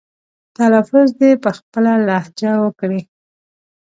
تلفظ دې په خپله لهجه وکړي.